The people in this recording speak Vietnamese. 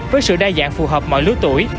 với sự đa dạng phù hợp mọi lứa tuổi